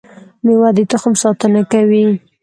مېوه د تخم ساتنه کوي